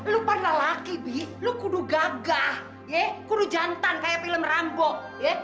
lupa laki laki lu kudu gagah ya kudu jantan kayak film rambo ya